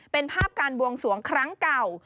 เป็นภาพการบวงสวงครั้งเก่า